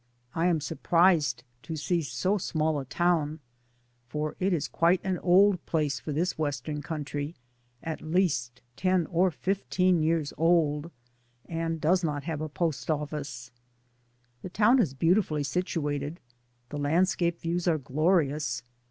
I am sur prised to see so small a town, for it is quite an old place for this western country, at least ten or fifteen years old, and does not have a post office. The town is beautifully situ ated, the landscape views are glorious.